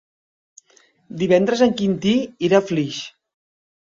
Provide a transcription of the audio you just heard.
Divendres en Quintí irà a Flix.